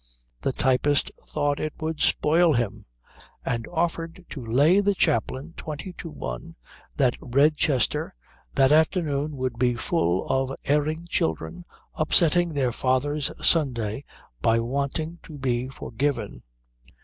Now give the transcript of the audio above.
The typist thought it would spoil him; and offered to lay the chaplain twenty to one that Redchester that afternoon would be full of erring children upsetting their fathers' Sunday by wanting to be forgiven.